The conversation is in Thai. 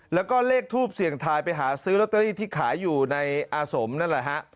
แล้วก็เลขทูปเสี่ยงทายไปหาซื้อลอตเตอรี่ที่ขายอยู่ในอาสมนั่นแหละฮะ